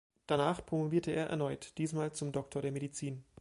Danach promovierte er erneut, diesmal zum Doktor der Medizin.